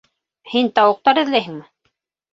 Һин тауыҡтар эҙләйһеңме?